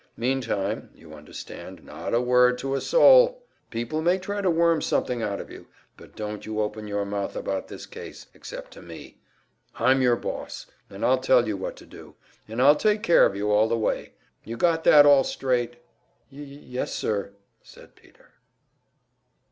Meantime, you understand not a word to a soul! People may try to worm something out of you, but don't you open your mouth about this case except to me. I'm your boss, and I'll tell you what to do, and I'll take care of you all the way. You got that all straight?" "Y y yes, sir," said Peter.